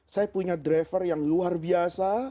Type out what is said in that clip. saya punya driver yang luar biasa